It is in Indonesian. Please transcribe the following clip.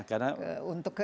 untuk ke situ